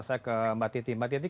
saya ke mbak titi